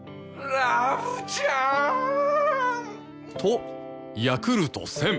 ん！とヤクルト１０００！